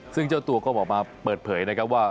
ซึ่งเจ้าตัวก็ออกมาเปิดเผยนะครับว่า